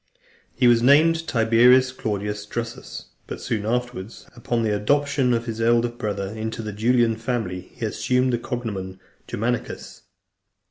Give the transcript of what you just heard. He was named Tiberius Claudius Drusus, but soon afterwards, (297) upon the adoption of his elder brother into the Julian family, he assumed the cognomen of Germanicus.